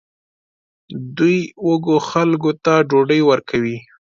دوی وږو خلکو ته ډوډۍ ورکوي.